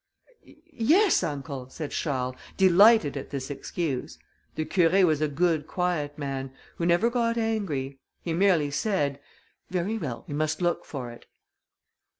"Yes, uncle," said Charles, delighted at this excuse. The Curé was a good quiet man, who never got angry: he merely said, "Very well! we must look for it."